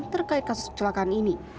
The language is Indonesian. terkait kasus kecelakaan ini